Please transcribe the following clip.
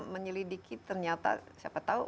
menyelidiki ternyata siapa tahu